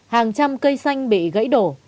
hàng trăm cây xanh bị gãy đổ